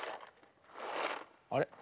あれ？